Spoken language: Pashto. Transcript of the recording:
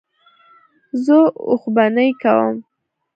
زه اوښبهني کوم.